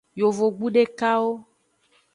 Yovogbu dekawo.